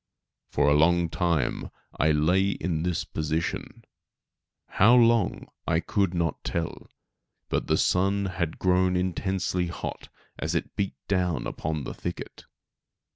For a long time I lay in this position, how long I could not tell; but the sun had grown intensely hot as it beat down upon the thicket.